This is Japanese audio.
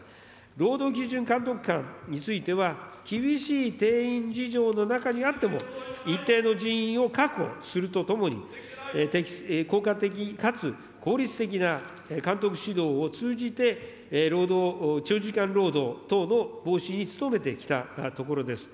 労働基準監督官については、厳しい定員事情の中にあっても、一定の人員を確保するとともに、効果的かつ効率的な監督指導を通じて、労働、長時間労働等の防止に努めてきたところです。